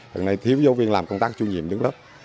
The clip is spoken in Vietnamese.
thì này thiếu giáo viên làm công tác chung nhiệm đứng lớp